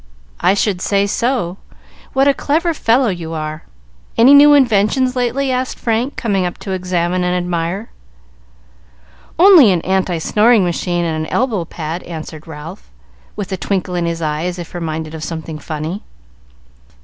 "I should say so. What a clever fellow you are! Any new inventions lately?" asked Frank, coming up to examine and admire. "Only an anti snoring machine and an elbow pad," answered Ralph, with a twinkle in his eye, as if reminded of something funny.